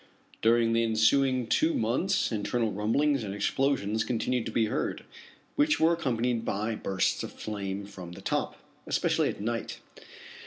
During the ensuing two months internal rumblings and explosions continued to be heard, which were accompanied by bursts of flame from the top especially at night.